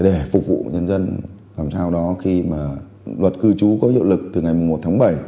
để phục vụ nhân dân làm sao đó khi mà luật cư trú có hiệu lực từ ngày một tháng bảy